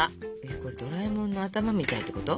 これドラえもんの頭みたいってこと？